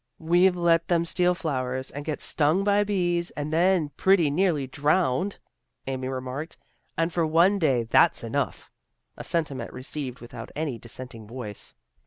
" We've let them steal flowers, and get stung by bees, and then pretty nearly drowned," Amy remarked. " And for one day that's enough," a sentiment received without any dissenting voice.